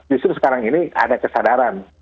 justru sekarang ini ada kesadaran